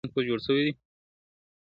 چي اوبه تر ورخ اوښتي نه ستنېږي٫